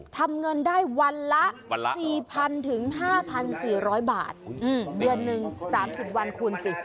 ทำเงินได้วันละวันละสี่พันถึงห้าพันสี่ร้อยบาทอืมเดือนหนึ่งสามสิบวันคูณสิ